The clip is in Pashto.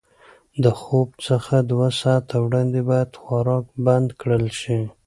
د خوب څخه دوه ساعته وړاندې باید خوراک بند کړل شي.